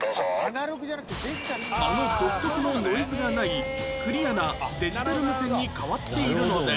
あの独特のノイズがないクリアなデジタル無線に変わっているのです